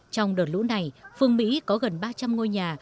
trong đợt lũ này phương mỹ có gần ba trăm linh ngôi nhà